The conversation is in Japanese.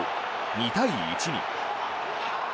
２対１に。